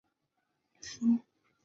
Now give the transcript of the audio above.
沼泽侧颈龟属是一个单种属。